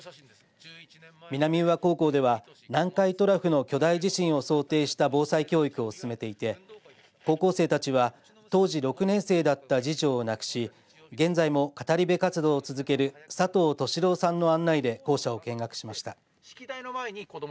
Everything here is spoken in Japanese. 南宇和高校では南海トラフの巨大地震を想定した防災教育を進めていて高校生たちは当時６年生だった次女を亡くし現在も語り部活動を続ける佐藤敏郎さんの案内で校舎を見学しました。